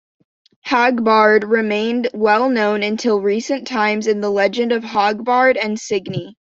Hagbard remained well-known until recent times in the legend of Hagbard and Signy.